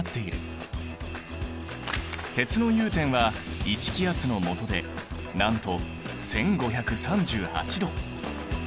鉄の融点は１気圧のもとでなんと１，５３８℃！